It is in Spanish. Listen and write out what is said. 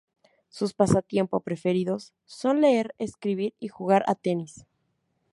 Sus pasatiempo preferidos son leer, escribir y jugar a tenis.